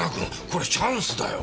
これチャンスだよ！